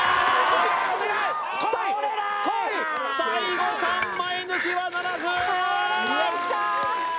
こいこい最後３枚抜きはならず！